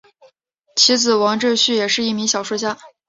其子王震绪也是一名小说家。